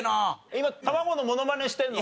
今卵のモノマネしてるの？